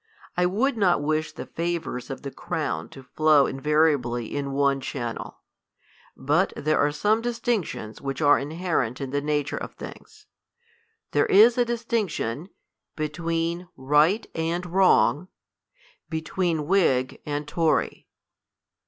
I would not wish the favours of the crown to ilow invariably in one channel. But there are some distinctions which are inherent in the j}ature of things. There is a distinction between right and wrcrng ; between whig and tory.